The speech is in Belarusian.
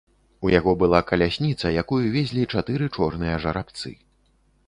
У яго была калясніца, якую везлі чатыры чорныя жарабцы.